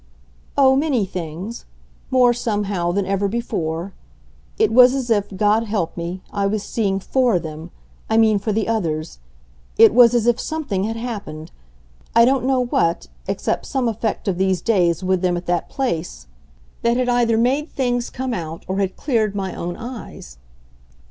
"Oh, many things. More, somehow, than ever before. It was as if, God help me, I was seeing FOR them I mean for the others. It was as if something had happened I don't know what, except some effect of these days with them at that place that had either made things come out or had cleared my own eyes."